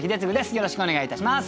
よろしくお願いします。